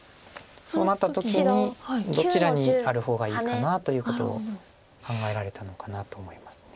そうなった時にどちらにある方がいいかなということを考えられたのかなと思います。